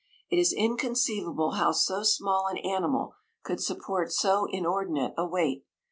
It is inconceivable how so small an animal could support so inordinate a weight.